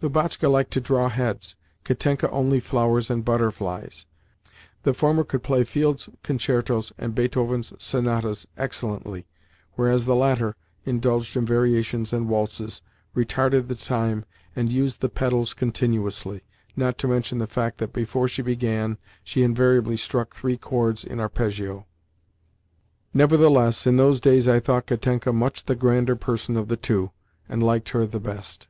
Lubotshka liked to draw heads; Katenka only flowers and butterflies. The former could play Field's concertos and Beethoven's sonatas excellently, whereas the latter indulged in variations and waltzes, retarded the time, and used the pedals continuously—not to mention the fact that, before she began, she invariably struck three chords in arpeggio. Nevertheless, in those days I thought Katenka much the grander person of the two, and liked her the best.